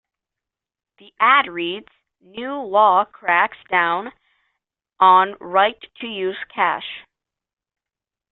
The ad reads: New Law Cracks Down on Right to Use Cash.